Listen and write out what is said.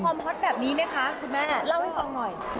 ฮอตแบบนี้ไหมคะคุณแม่เล่าให้ฟังหน่อย